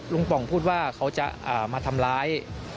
ป่องพูดว่าเขาจะมาทำร้าย